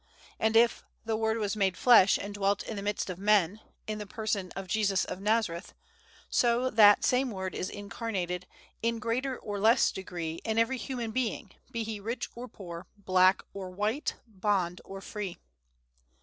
And if "the Word was made flesh, and dwelt in the midst of men," in the person of Jesus of Nazareth, so that same Word is incarnated, in greater or less degree, in every human being, be he rich or poor, black or white, bond or free.